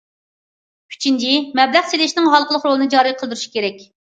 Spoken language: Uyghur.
ئۈچىنچى، مەبلەغ سېلىشنىڭ ھالقىلىق رولىنى جارى قىلدۇرۇش كېرەك.